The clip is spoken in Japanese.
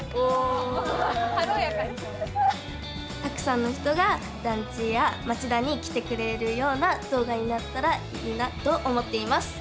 たくさんの人が団地や町田に来てくれるような動画になったらいいなと思っています。